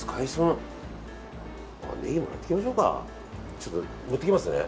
ちょっと持ってきますね。